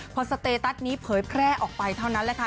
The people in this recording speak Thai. พอสเตตัสนี้เผยแพร่ออกไปเท่านั้นแหละค่ะ